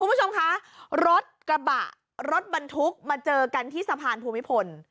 คุณผู้ชมคะรถกระบะรถบรรทุกมาเจอกันที่สะพานภูมิพล